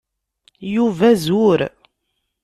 Yuba zur.